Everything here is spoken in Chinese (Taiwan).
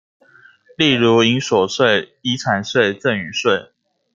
例如營所稅、遺產稅、贈與稅